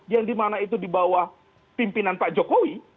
yang dimana itu di bawah pimpinan pak jokowi